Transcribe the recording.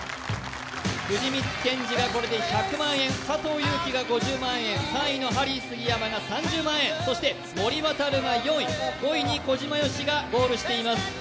藤光謙司がこれで１００万円、佐藤悠基が５０万円、３位のハリー杉山が３０万円、そして森渉が４位、５位に小島よしおがゴールしています。